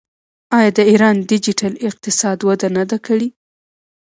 آیا د ایران ډیجیټل اقتصاد وده نه ده کړې؟